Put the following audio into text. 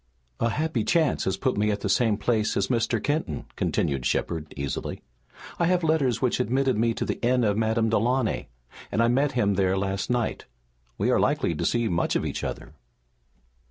"A happy chance has put me at the same place as Mr. Kenton," continued Shepard easily. "I have letters which admitted me to the inn of Madame Delaunay, and I met him there last night. We are likely to see much of each other."